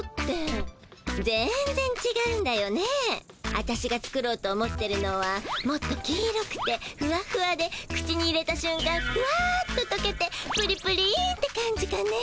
アタシが作ろうと思ってるのはもっと黄色くてふわふわで口に入れたしゅんかんふわっととけてプリプリンって感じかね。